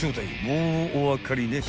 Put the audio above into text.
もうお分かりね］